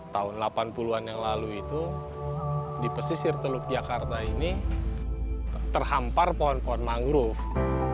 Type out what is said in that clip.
tahun delapan puluh an yang lalu itu di pesisir teluk jakarta ini terhampar pohon pohon mangrove